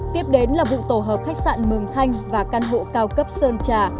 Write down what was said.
tiếp đến là vụ tổ hợp khách sạn mường thanh và căn hộ cao cấp sơn trà